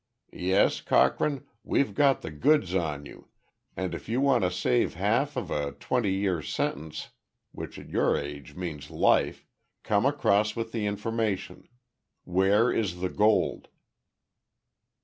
"Yes, Cochrane, we've got the goods on you and if you want to save half of a twenty year sentence which at your age means life come across with the information. Where is the gold?"